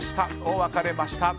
分かれました。